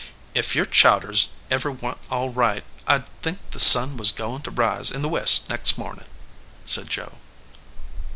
"Ef your chowders ever wa n t all right I d think the sun was goin to rise in the west next mornin ," said Joe.